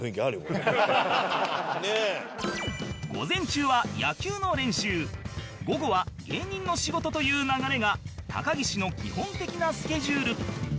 午前中は野球の練習午後は芸人の仕事という流れが高岸の基本的なスケジュール